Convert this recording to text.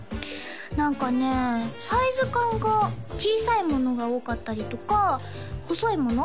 何かねサイズ感が小さいものが多かったりとか細いもの